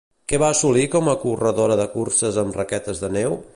Què va assolir com a corredora de curses amb raquetes de neu?